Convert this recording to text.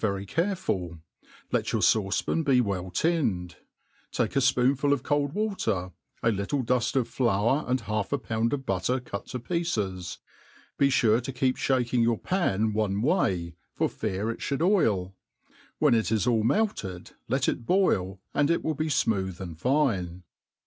very careful ; let tour faucepan be well tinned ; take a fpoon'ful of cold water, a .little duft of flour, and half a pound o/ butter 9ut to pieces : be fure .1^ jc^p fliaking your pan oiie way, for fear it fliould oil ^ wheii it is allmelced, let it boil, and it will be'foibpth and fine.